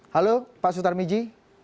halo pak sutar miji